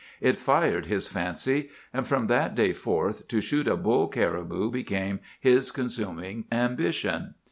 It fired his fancy; and from that day forth to shoot a bull caribou became his consuming ambition.